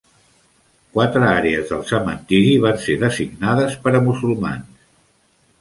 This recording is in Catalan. Quatre àrees del cementiri van ser designades per a musulmans.